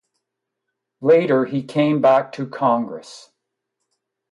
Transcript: Later he came back to Congress.